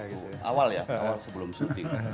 waktu waktu awal ya awal sebelum syuting